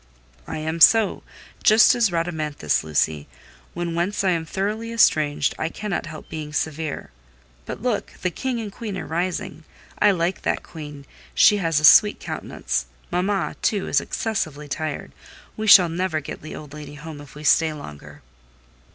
"I am so: just as Rhadamanthus, Lucy. When once I am thoroughly estranged, I cannot help being severe. But look! the King and Queen are rising. I like that Queen: she has a sweet countenance. Mamma, too, is excessively tired; we shall never get the old lady home if we stay longer."